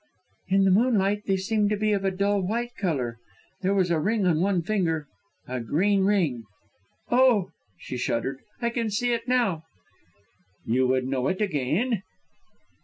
"In the moonlight they seemed to be of a dull white colour. There was a ring on one finger a green ring. Oh!" she shuddered. "I can see it now." "You would know it again?"